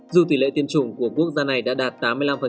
dù tỷ lệ tiêm chủng của quốc gia này đã đạt tám mươi năm